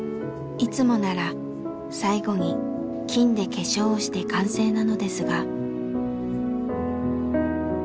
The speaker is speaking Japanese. いつもなら最後に金で化粧をして完成なのですが。